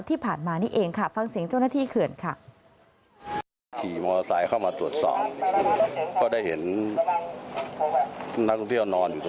ที่ผ่านมานี่เองค่ะฟังเสียงเจ้าหน้าที่เขื่อนค่ะ